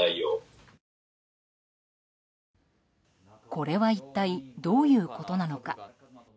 これは一体どういうことなのか。